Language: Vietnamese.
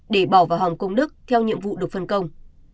để bỏ vào hòng công đức theo nhiệm vụ được phân công